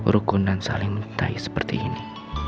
rukun dan saling mencintai seperti ini